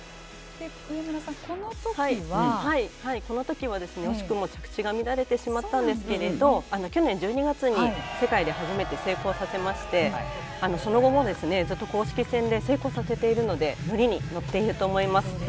このときは惜しくも着地が乱れてしまったんですけど去年１２月に世界で初めて成功させましてその後も、ずっと公式戦で成功させているのでノリに乗っていると思います。